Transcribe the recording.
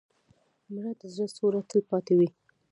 مړه د زړه سوره تل پاتې وي